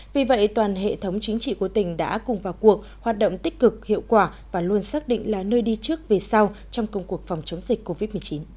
vì vậy toàn hệ thống chính trị của tỉnh đã cùng vào cuộc hoạt động tích cực hiệu quả và luôn xác định là nơi đi trước về sau trong công cuộc phòng chống dịch covid một mươi chín